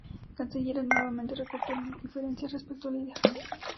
Cancellara, nuevamente, recortó diferencias respecto al líder.